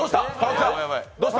どうした？